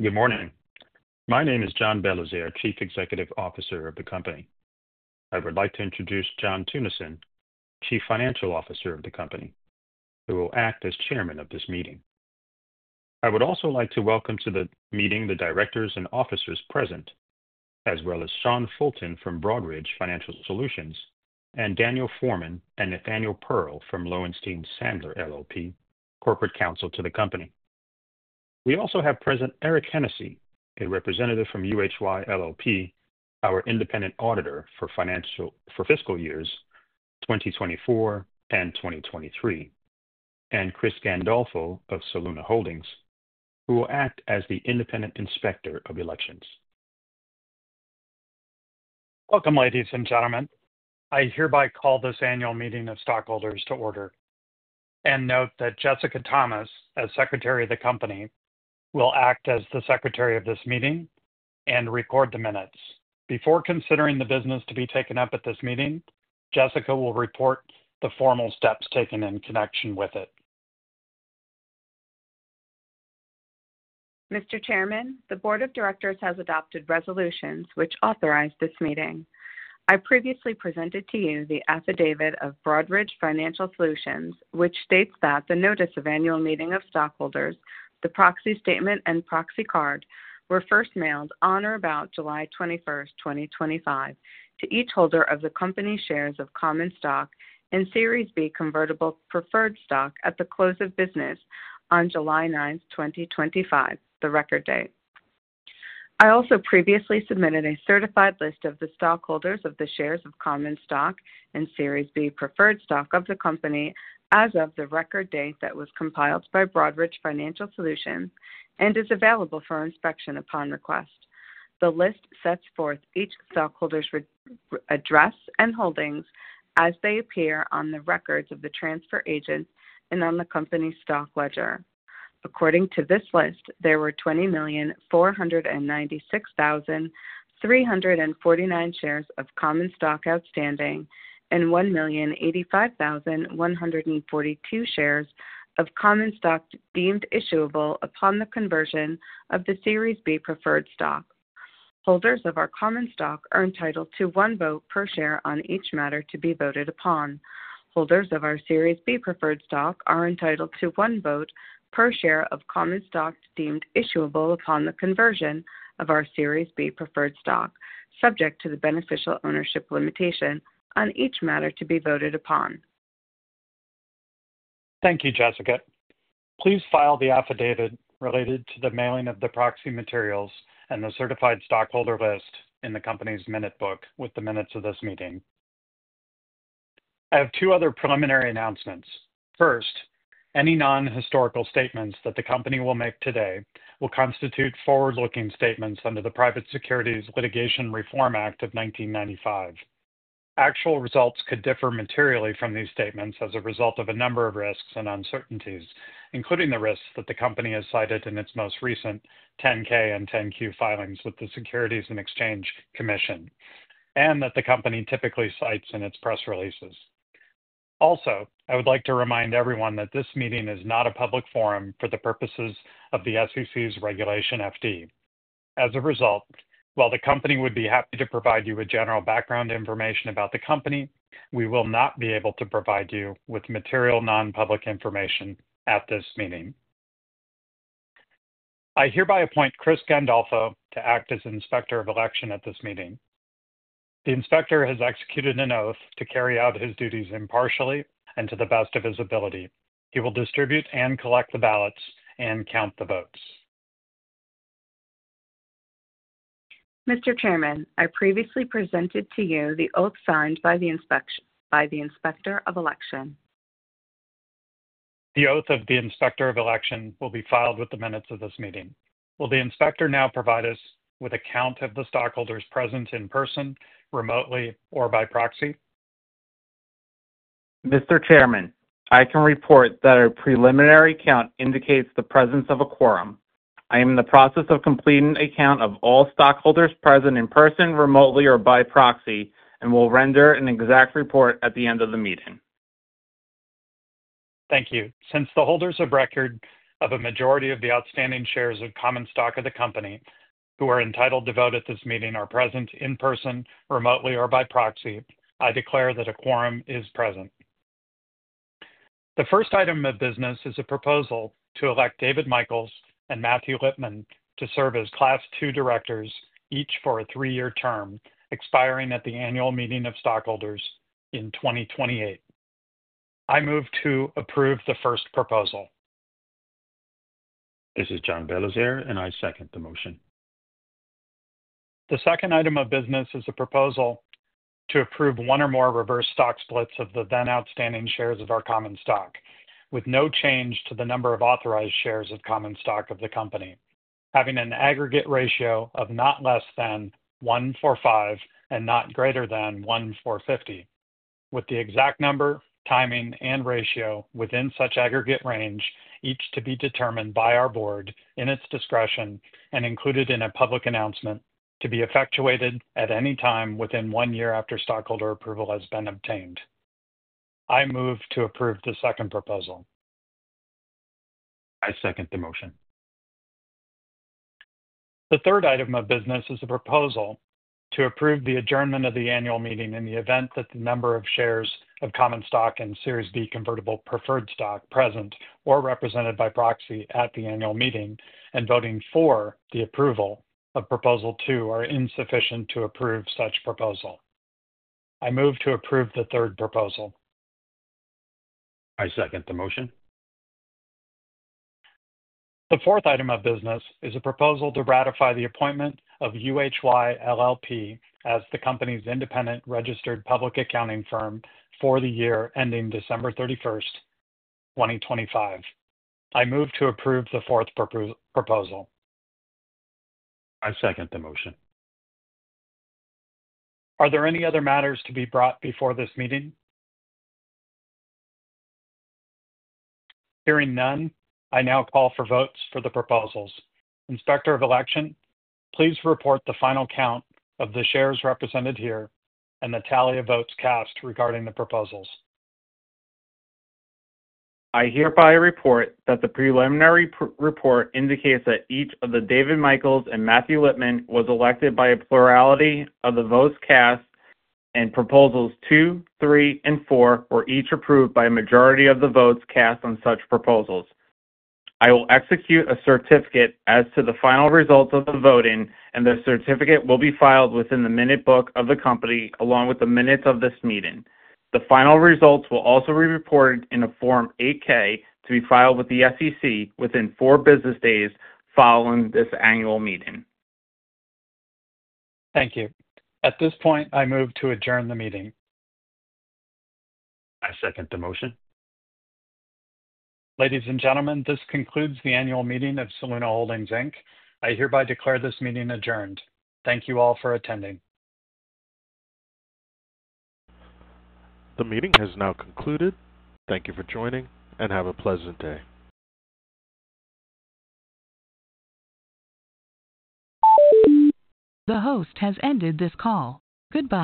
Good morning. My name is John Belizaire, Chief Executive Officer of the company. I would like to introduce John Tunison, Chief Financial Officer of the company, who will act as chairman of this meeting. I would also like to welcome to the meeting the directors and officers present, as well as Sean Fulton from Broadridge Financial Solutions and Daniel Forman and Nathaniel Perle from Lowenstein Sandler LLP, corporate counsel to the company. We also have present Eric Hennessey, a representative from UHY LLP, our independent auditor for financial for fiscal years 2024 and 2023, and Chris Gandolfo of Soluna Holdings, who will act as the independent inspector of elections. Welcome, ladies and gentlemen. I hereby call this Annual Meeting of Stockholders to order and note that Jessica Thomas, as secretary of the company, will act as the secretary of this meeting and record the minutes. Before considering the business to be taken up at this meeting, Jessica will report the formal steps taken in connection with it. Mr. Chairman, the board of directors has adopted resolutions which authorize this meeting. I previously presented to you the affidavit of Broadridge Financial Solutions, which states that the Notice of Annual Meeting of Stockholders, the Proxy Statement, and Proxy Card were first mailed on or about July 21st, 2025, to each holder of the company's shares of common stock and Series B Convertible Preferred Stock at the close of business on July 9th, 2025, the record date. I also previously submitted a certified list of the stockholders of the shares of common stock and Series B Preferred Stock of the company as of the record date that was compiled by Broadridge Financial Solutions and is available for inspection upon request. The list sets forth each stockholder's address and holdings as they appear on the records of the transfer agent and on the company's stock ledger. According to this list, there were 20,496,349 shares of common stock outstanding and 1,085,142 shares of common stock deemed issuable upon the conversion of the Series B Preferred Stock. Holders of our common stock are entitled to one vote per share on each matter to be voted upon. Holders of our Series B Preferred Stock are entitled to one vote per share of common stock deemed issuable upon the conversion of our Series B Preferred Stock, subject to the beneficial ownership limitation on each matter to be voted upon. Thank you, Jessica. Please file the affidavit related to the mailing of the proxy materials and the certified stockholder list in the company's minute book with the minutes of this meeting. I have two other preliminary announcements. First, any non-historical statements that the company will make today will constitute forward-looking statements under the Private Securities Litigation Reform Act of 1995. Actual results could differ materially from these statements as a result of a number of risks and uncertainties, including the risks that the company has cited in its most recent 10-K and 10-Q filings with the Securities and Exchange and that the company typically cites in its press releases. Also, I would like to remind everyone that this meeting is not a public forum for the purposes of the SEC's Regulation FD. As a result, while the company would be happy to provide you with general background information about the company, we will not be able to provide you with material non-public information at this meeting. I hereby appoint Chris Gandolfo to act as Inspector of Election at this meeting. The Inspector has executed an oath to carry out his duties impartially and to the best of his ability. He will distribute and collect the ballots and count the votes. Mr. Chairman, I previously presented to you the oath signed by the Inspector of Election. The oath of the Inspector of Election will be filed with the minutes of this meeting. Will the Inspector now provide us with a count of the stockholders present in person, remotely, or by proxy? Mr. Chairman, I can report that our preliminary count indicates the presence of a quorum. I am in the process of completing a count of all stockholders present in person, remotely, or by proxy, and will render an exact report at the end of the meeting. Thank you. Since the holders of record of a majority of the outstanding shares of common stock of the company, who are entitled to vote at this meeting, are present in person, remotely, or by proxy, I declare that a quorum is present. The first item of business is a proposal to elect David Michaels and Matthew Lipman to serve as Class II Directors, each for a three-year term, expiring at the annual meeting of stockholders in 2028. I move to approve the first proposal. This is John Belizaire, and I second the motion. The second item of business is a proposal to approve one or more reverse stock splits of the then outstanding shares of our common stock, with no change to the number of authorized shares of common stock of the company, having an aggregate ratio of not less than 1:45 and not greater than 1:450, with the exact number, timing, and ratio within such aggregate range, each to be determined by our Board in its discretion and included in a public announcement to be effectuated at any time within one year after stockholder approval has been obtained. I move to approve the second proposal. I second the motion. The third item of business is a proposal to approve the adjournment of the annual meeting in the event that the number of shares of common stock and Series B Convertible Preferred Stock present or represented by proxy at the annual meeting and voting for the approval of proposal two are insufficient to approve such proposal. I move to approve the third proposal. I second the motion. The fourth item of business is a proposal to ratify the appointment of UHY LLP as the company's independent registered public accounting firm for the year ending December 31, 2025. I move to approve the fourth proposal. I second the motion. Are there any other matters to be brought before this meeting? Hearing none, I now call for votes for the proposals. Inspector of Election, please report the final count of the shares represented here and the tally of votes cast regarding the proposals. I hereby report that the preliminary report indicates that each of David Michaels and Matthew Lipman was elected by a plurality of the votes cast, and proposals two, three, and four were each approved by a majority of the votes cast on such proposals. I will execute a certificate as to the final results of the voting, and the certificate will be filed within the minute book of the company along with the minutes of this meeting. The final results will also be reported in a Form 8-K to be filed with the SEC within four business days following this annual meeting. Thank you. At this point, I move to adjourn the meeting. I second the motion. Ladies and gentlemen, this concludes the annual meeting of Soluna Holdings Inc. I hereby declare this meeting adjourned. Thank you all for attending. The meeting has now concluded. Thank you for joining and have a pleasant day. The host has ended this call. Goodbye.